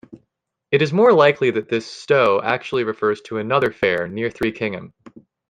It is more likely that this 'Stow' actually refers to another fair, near Threekingham.